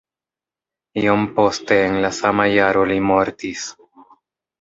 Iom poste en la sama jaro li mortis.